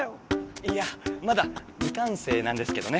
いやまだみかんせいなんですけどね。